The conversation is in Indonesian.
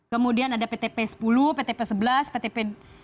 kemudian ada ptp sepuluh ptp sebelas ptp sembilan sepuluh sebelas dua belas